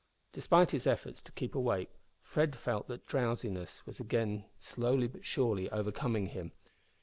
Despite his efforts to keep awake, Fred felt that drowsiness was again slowly, but surely, overcoming him.